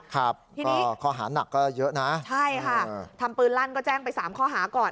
ครับก็ข้อหานักก็เยอะนะใช่ค่ะทำปืนลั่นก็แจ้งไปสามข้อหาก่อน